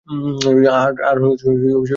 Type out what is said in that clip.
আর তুমি কি করলে?